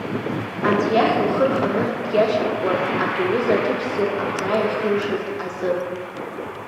Анцәа иахь лхы рханы диашьапкуан абри аҩыза аҭыԥ ссир аԥҵара ахьилшаз азын.